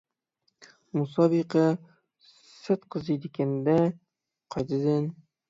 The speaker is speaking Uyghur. مۇسابىقە سەت قىزىيدىكەن-دە قايتىدىن.